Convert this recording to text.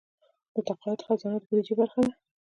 د تقاعد خزانه د بودیجې برخه ده